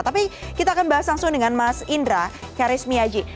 tapi kita akan bahas langsung dengan mas indra karismiaji